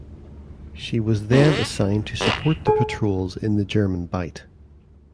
She was then assigned to support the patrols in the German Bight.